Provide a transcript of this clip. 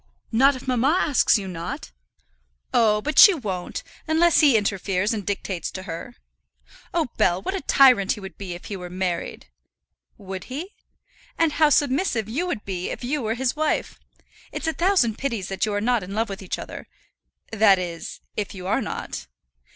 "Not if mamma asks you not?" "Oh, but she won't, unless he interferes and dictates to her. Oh, Bell, what a tyrant he would be if he were married!" "Would he?" "And how submissive you would be, if you were his wife! It's a thousand pities that you are not in love with each other; that is, if you are not."